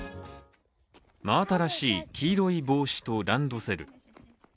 真新しい黄色い帽子とランドセル。